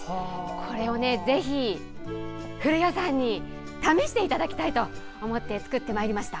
これをぜひ古谷さんに試していただきたいと思って作ってまいりました。